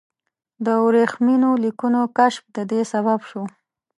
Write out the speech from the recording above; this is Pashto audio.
د ورېښمینو لیکونو کشف د دې سبب شو.